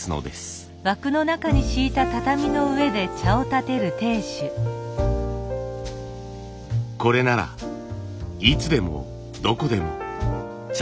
これならいつでもどこでも茶会が開けます。